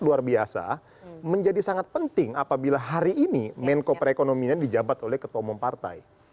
luar biasa menjadi sangat penting apabila hari ini menko perekonomian di jabat oleh ketua umum partai